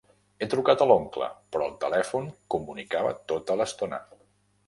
He trucat a l'oncle, però el telèfon comunicava tota l'estona.